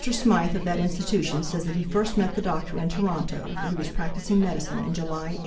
Smythe of that institution says that he first met the doctor in Toronto, where he was practicing medicine in July, 1858.